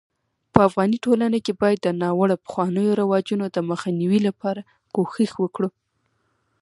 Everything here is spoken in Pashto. په افغاني ټولنه کي بايد د ناړوه پخوانيو رواجونو دمخ نيوي لپاره کوښښ وکړو